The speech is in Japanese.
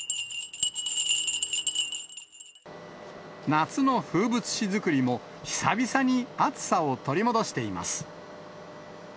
夏の風物詩作りも、久々にアツさを取り戻しています。